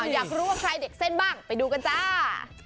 อยากรู้ว่าใครเด็กเส้นบ้างไปดูกันจ้า